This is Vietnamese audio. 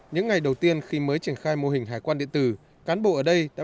những ngày đầu tiên khi mới triển khai mô hình hải quan điện tử